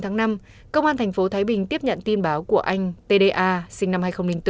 hai mươi chín tháng năm công an thành phố thái bình tiếp nhận tin báo của anh tda sinh năm hai nghìn bốn